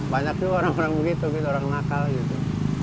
banyak tuh orang orang begitu orang nakal gitu